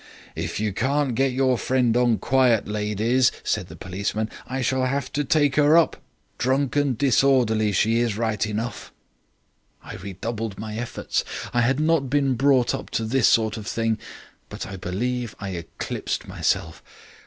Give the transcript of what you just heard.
"'If you can't get your friend on quiet, ladies,' said the policeman, 'I shall have to take 'er up. Drunk and disorderly she is right enough.' "I redoubled my efforts. I had not been brought up to this sort of thing; but I believe I eclipsed myself.